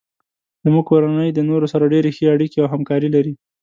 زمونږ کورنۍ د نورو سره ډیرې ښې اړیکې او همکاري لري